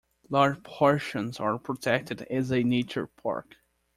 Large portions are protected as a nature park.